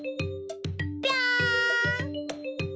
ぴょん！